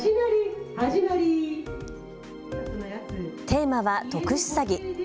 テーマは特殊詐欺。